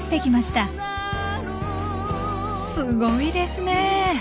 すごいですねえ。